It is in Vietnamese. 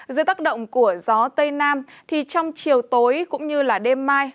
dưới tác động của gió tây nam thì trong chiều tối cũng như đêm mai